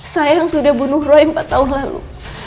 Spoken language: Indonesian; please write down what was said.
saya yang sudah bunuh roy empat tahun lalu